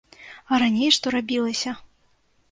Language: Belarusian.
А раней што рабілася!